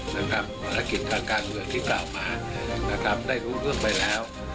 ภารกิจทางการเมืองที่กล่าวมานะครับได้รู้เรื่องไปแล้ว